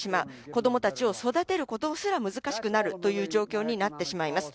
子供たちを育てることすら難しくなるという状況になってしまいます。